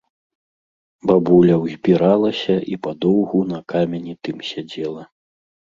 Бабуля ўзбіралася і падоўгу на камені тым сядзела.